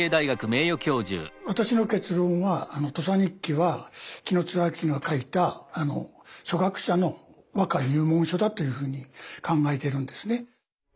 私の結論は「土佐日記」は紀貫之が書いた初学者の和歌入門書だというふうに考えているんですね。